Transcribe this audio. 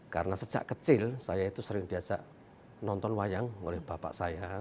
karena sejak kecil saya itu sering diajak nonton wayang oleh bapak saya